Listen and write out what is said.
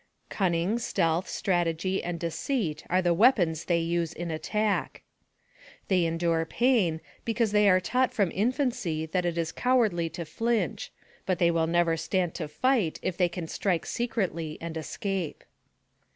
Cunning, stealth, strategy, and deceit are the weapons they use in attack. They endure pain, because they are taught from in fancy that it is cowardly to flinch, but they will never stand to fight if they can strike secretly and escape.